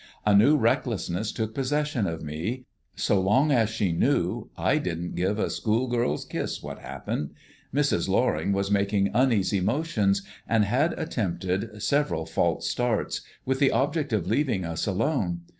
A new recklessness took possession of me; so long as she knew, I didn't give a schoolgirl's kiss what happened. Mrs. Loring was making uneasy motions, and had attempted several false starts, with the object of leaving us alone.